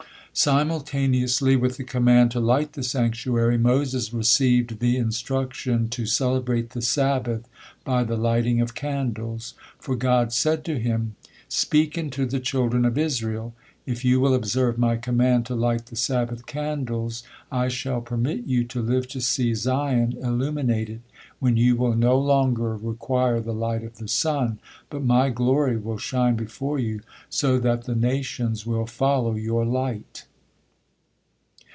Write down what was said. '" Simultaneously with the command to light the sanctuary, Moses received the instruction to celebrate the Sabbath by the lighting of candles, for God said to him: "Speak unto the children of Israel; if you will observe My command to light the Sabbath candles, I shall permit you to live to see Zion illuminated, when you will no longer require the light of the sun, but My glory will shine before you so that the nations will follow your light."